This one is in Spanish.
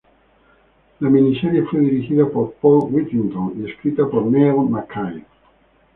La miniserie fue dirigida por Paul Whittington y escrita por Neil McKay.